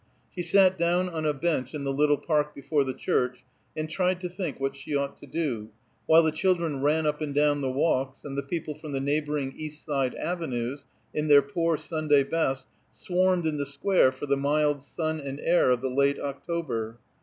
She sat down on a bench in the little park before the church, and tried to think what she ought to do, while the children ran up and down the walks, and the people from the neighboring East Side avenues, in their poor Sunday best, swarmed in the square for the mild sun and air of the late October.